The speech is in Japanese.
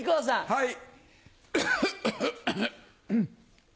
はい。